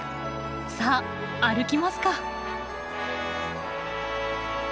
さあ歩きますか！